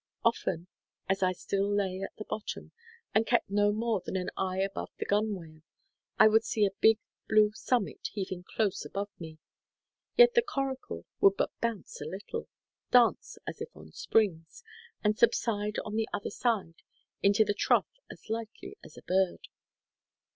Often, as I still lay at the bottom, and kept no more than an eye above the gunwale, I would see a big blue summit heaving close above me; yet the coracle would but bounce a little, dance as if on springs, and subside on the other side into the trough as lightly as a bird.